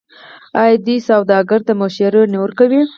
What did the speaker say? آیا دوی سوداګرو ته مشورې نه ورکوي؟